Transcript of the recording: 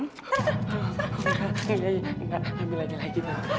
enggak enggak enggak ambil aja lagi tante